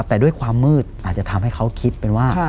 แต่ด้วยความมืดอาจจะทำให้เขาคิดเป็นว่า